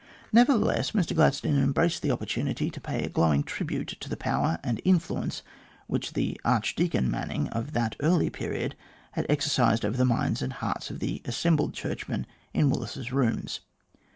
Nevertheless, Mr Gladstone embraced the opportunity to pay a glowing tribute to the power and influence which the Archdeacon Manning of that early period had exercised over the minds and hearts of the assembled Churchmen in Willis's Rooms.